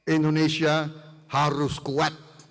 indonesia harus kuat